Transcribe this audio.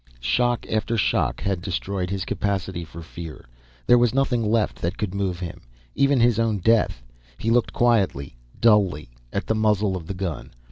Shock after shock had destroyed his capacity for fear. There was nothing left that could move him, even his own death. He looked quietly dully at the muzzle of the gun.